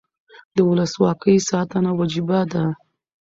د ولسواکۍ ساتنه وجیبه ده